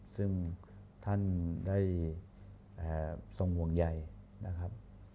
ซึ่งท่านได้ทรงห่วงใยนะครับ